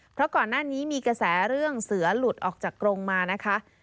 เพราะก่อนหน้านี้มีกระแสเรื่องเสือหลุดออกจากกรงมานะคะ